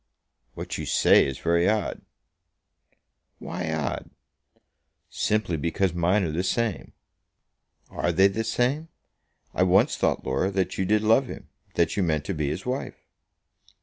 "What you say is very odd." "Why odd?" "Simply because mine are the same." "Are they the same? I once thought, Laura, that you did love him; that you meant to be his wife."